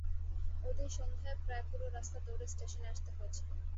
ঐদিন সন্ধায় প্রায় পুরো রাস্তা দৌড়ে স্টেশনে আসতে হয়েছিল।